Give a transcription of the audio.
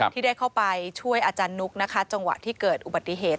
ที่ได้เข้าไปช่วยอาจารย์นุ๊กนะคะจังหวะที่เกิดอุบัติเหตุ